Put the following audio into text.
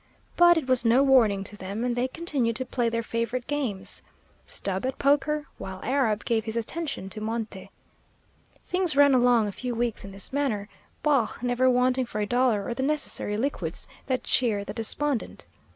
But it was no warning to them, and they continued to play their favorite games, Stubb at poker, while Arab gave his attention to monte. Things ran along for a few weeks in this manner, Baugh never wanting for a dollar or the necessary liquids that cheer the despondent.